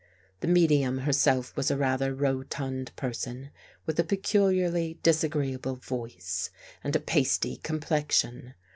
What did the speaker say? The medium herself was a rather rotund person, with a peculiarly disagreeable voice and a pasty complexion.